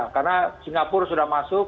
karena singapura sudah masuk